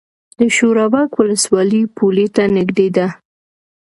د شورابک ولسوالۍ پولې ته نږدې ده